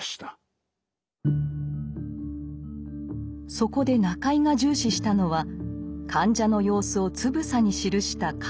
そこで中井が重視したのは患者の様子をつぶさに記した看護日誌。